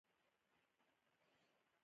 د زړه ساتنه د اوږد ژوند سبب کېږي.